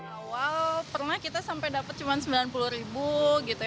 awal pernah kita sampai dapat cuma sembilan puluh ribu gitu